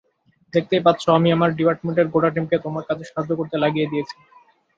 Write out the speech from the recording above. দেখতেই পাচ্ছ, আমি আমার ডিপার্টমেন্টের গোটা টিমকে তোমার কাজে সাহায্য করতে লাগিয়ে দিয়েছি।